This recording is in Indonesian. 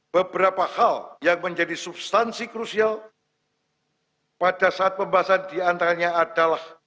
beberapa hal yang menjadi substansi krusial pada saat pembahasan diantaranya adalah